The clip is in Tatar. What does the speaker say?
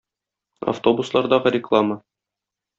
Автобуслардагы реклама